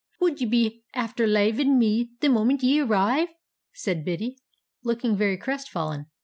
"Would ye be after lavin' me the momint ye arrive?" said Biddy, looking very crestfallen.